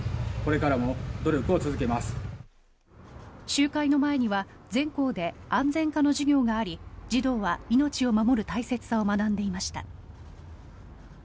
集会の前には全校で安全科の授業があり児童は命を守る大切さを学んでいました。